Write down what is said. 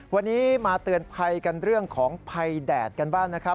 วันนี้มาเตือนภัยกันเรื่องของภัยแดดกันบ้างนะครับ